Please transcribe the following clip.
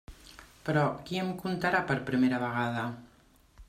Però qui em contarà per primera vegada?